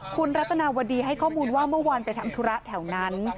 คุณรัตนาวดีให้ข้อมูลว่าเมื่อวานไปทำธุระแถวนั้น